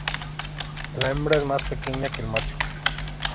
La hembra es más pequeña que el macho.